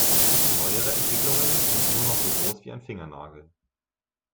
Neuere Entwicklungen sind nur noch so groß wie ein Fingernagel.